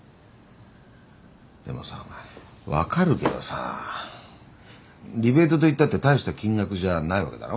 でもさお前分かるけどさリベートっていったって大した金額じゃないわけだろ？